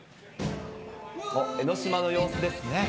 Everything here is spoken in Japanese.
江の島の様子ですね。